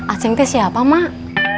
aceng bé siapa mak